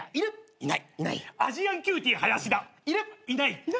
いない。